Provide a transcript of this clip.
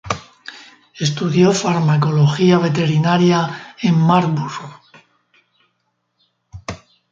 Estudió farmacología veterinaria en Marburg.